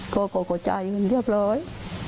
ก็ก็ก็ใจมันเรียบร้อย